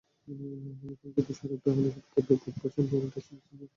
আগামীকালও যদি ফেরেন, তাহলে শুধু বুধবার সময় পাবেন টেস্টের প্রস্তুতি নেওয়ার।